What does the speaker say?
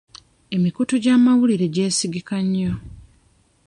Emikutu gy'amawulire gyesigika nnyo.